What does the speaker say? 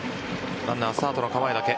ランナー、スタートの構えだけ。